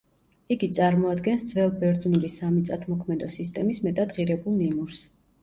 იგი წარმოადგენს ძველბერძნული სამიწათმოქმედო სისტემის მეტად ღირებულ ნიმუშს.